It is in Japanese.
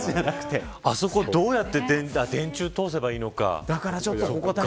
あそこどうやって電柱を通せばいいのか。